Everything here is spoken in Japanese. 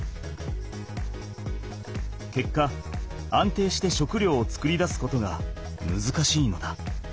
けっか安定して食料を作り出すことがむずかしいのだ。